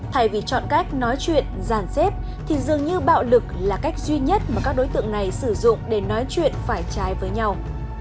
thay vì chọn cách nói chuyện giàn xếp thì dường như bạo lực là cách duy nhất mà các đối tượng này sử dụng để nói chuyện phải trái với nhau